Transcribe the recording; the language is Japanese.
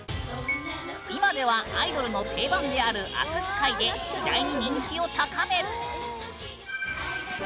今ではアイドルの定番である「握手会」で次第に人気を高め。